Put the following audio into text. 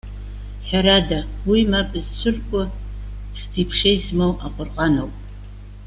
Ҳәарада, уи мап зцәыркуа хьӡи-ԥшеи змоу Аҟәырҟан ауп.